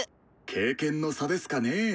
経験の差ですかね。